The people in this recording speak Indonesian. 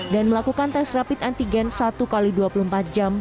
dan melakukan tes rapid antigen satu x dua puluh empat jam